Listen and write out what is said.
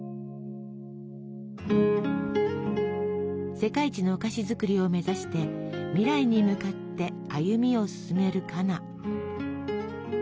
世界一のお菓子作りを目指して未来に向かって歩みを進めるカナ。